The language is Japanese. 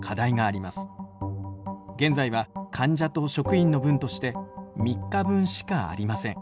現在は患者と職員の分として３日分しかありません。